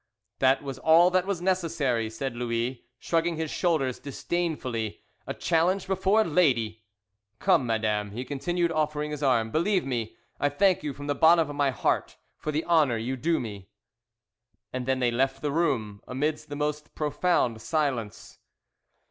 "That was all that was necessary," said Louis, shrugging his shoulders disdainfully. "A challenge before a lady! Come, madame," he continued, offering his arm. "Believe me, I thank you from the bottom of my heart for the honour you do me." And then they left the room, amidst the most profound silence.